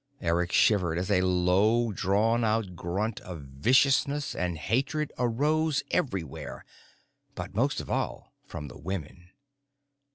Eric shivered as a low, drawn out grunt of viciousness and hatred arose everywhere, but most of all from the women.